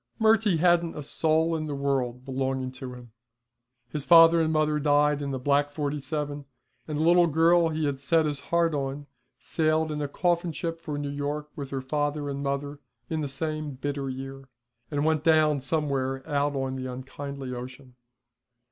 Murty hadn't a soul in the world belonging to him. His father and mother died in the black '47, and the little girl he had set his heart on sailed in a coffin ship for New York with her father and mother in the same bitter year, and went down somewhere out on the unkindly ocean.